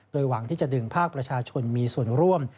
หวังที่จะดึงภาคประชาชนมีส่วนร่วม